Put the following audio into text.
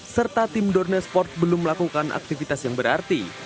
serta tim dornesport belum melakukan aktivitas yang berarti